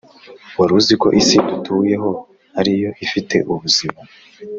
Waruziko isi dutuye ho ariyo ifite ubuzima